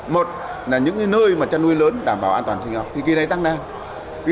một là những nơi mà chăn nuôi lớn đảm bảo an toàn sinh học thì kia này tăng đạt